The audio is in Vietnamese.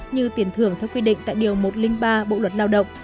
như tiền thưởng theo quy định tại điều một trăm linh ba bộ luật lao động